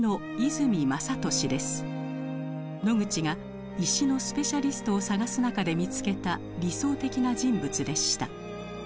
ノグチが石のスペシャリストを探す中で見つけた理想的な人物でした。